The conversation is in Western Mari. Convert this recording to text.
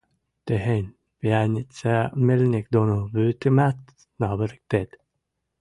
Техень пиӓницӓ мельник доно вуетӹмӓт наварыктет.